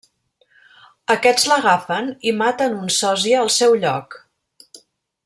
Aquests l'agafen i maten un sòsia al seu lloc.